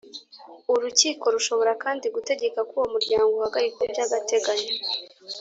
urukiko rushobora kandi gutegeka ko uwo muryango uhagarikwa byagateganyo,